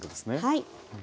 はい。